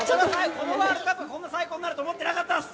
このワールドカップがこんなに最高になるとは思ってなかったです。